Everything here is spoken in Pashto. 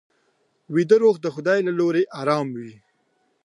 ویده روح د خدای له لوري ارام وي